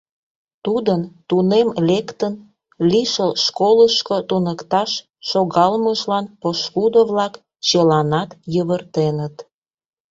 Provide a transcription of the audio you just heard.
Тудын, тунем лектын, лишыл школышко туныкташ шогалмыжлан пошкудо-влак чыланат йывыртеныт.